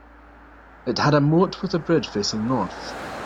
It had a moat with a bridge facing north.